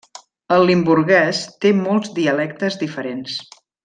El limburguès té molts dialectes diferents.